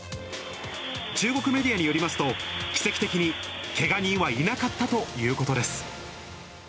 中国メディアによりますと、奇跡的にけが人はいなかったということです。